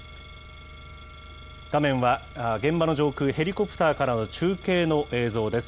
画面は、現場の上空、ヘリコプターからの中継の映像です。